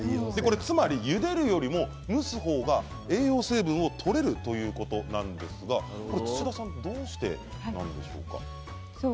つまり、ゆでるよりも蒸す方が栄養成分をとれるということなんですが土田さん、どうしてなんでしょうか。